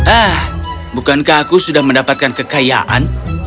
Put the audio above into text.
ah bukankah aku sudah mendapatkan kekayaan